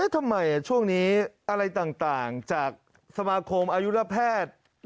ทำไมช่วงนี้อะไรต่างจากสมาคมอายุระแพทย์